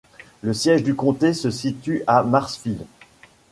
Le siège du comté se situe à Marshfield.